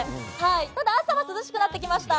ただ朝は涼しくなってきました。